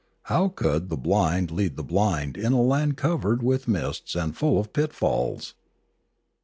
How could the blind lead the blind in a land covered with mists and full of pitfalls?